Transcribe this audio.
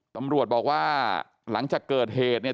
ตำรวจบอกว่าหลังจากเกิดเหตุเนี่ย